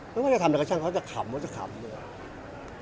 ไม่ว่าจะทำแต่กระชั่งเขาจะขำเขาจะขำด้วย